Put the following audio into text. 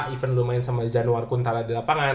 even lu main sama januarkuntala di lapangan